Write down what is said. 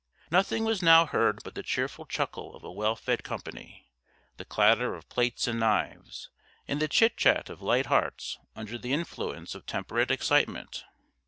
Nothing was now heard but the cheerful chuckle of a well fed company, the clatter of plates and knives, and the chit chat of light hearts under the influence of temperate excitement.